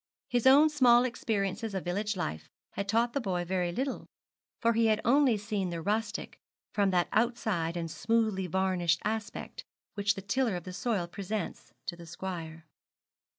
His own small experiences of village life had taught the boy very little; for he had only seen the rustic from that outside and smoothly varnished aspect which the tiller of the soil presents to the squire.